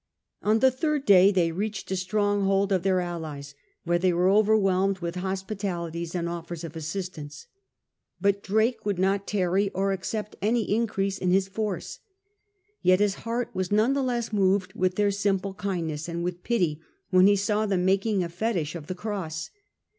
On the third day they reached a stronghold of their allies, where they were overwhelmed with hospitalities and offers of assistance. But Drake would not tarry or accept any increase in his force. Yet his heart was none the less moved with their simple kindness, and with pity when he saw them making a fetich of the cross.